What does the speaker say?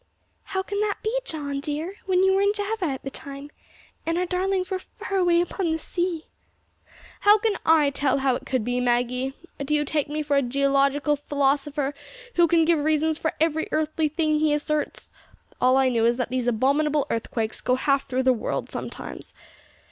"How can that be, John, dear, when you were in Java at the time, and our darlings were far away upon the sea?" "How can I tell how it could be, Maggie? Do you take me for a geological philosopher, who can give reasons for every earthly thing he asserts? All I know is that these abominable earthquakes go half through the world sometimes.